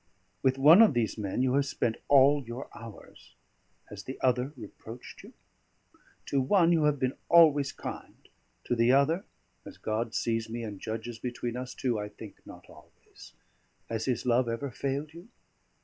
With one of these men you have spent all your hours: has the other reproached you? To one you have been always kind; to the other, as God sees me and judges between us two, I think not always: has his love ever failed you?